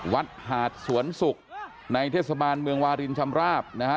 วัดหาดสวนศุกร์ในเทศบาลเมืองวารินชำราบนะฮะ